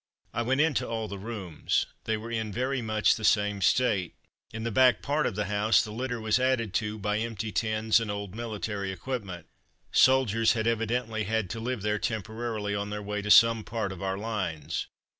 I went into all the rooms; they were in very much the same state. In the back part of the house the litter was added to by empty tins and old military equipment. Soldiers had evidently had to live there temporarily on their way to some part of our lines.